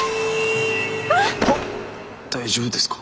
大丈夫ですか？